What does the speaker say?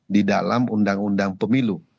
di dalam undang undang pemilu